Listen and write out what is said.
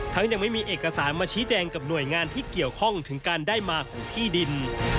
ยังไม่มีเอกสารมาชี้แจงกับหน่วยงานที่เกี่ยวข้องถึงการได้มาของที่ดิน